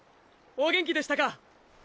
お元気でしたか？